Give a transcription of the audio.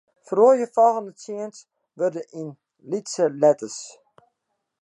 Feroarje folgjende tsien wurden yn lytse letters.